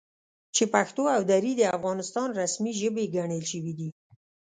چې پښتو او دري د افغانستان رسمي ژبې ګڼل شوي دي،